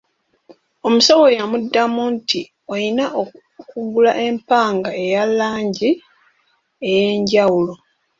Omusawo yamudamu nti, oyina okugula empanga eya langi ey'enjawulo.